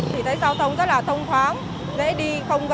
thì thấy giao thông rất là thông thoáng dễ đi